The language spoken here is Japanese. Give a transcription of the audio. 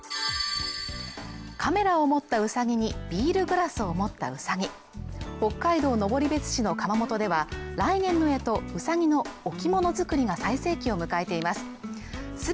カメラを持ったウサギにビールグラスを持ったウサギ北海道登別市の窯元では来年の干支ウサギの置物作りが最盛期を迎えています